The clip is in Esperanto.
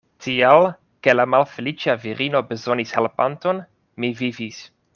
Tial ke la malfeliĉa virino bezonis helpanton, mi vivis.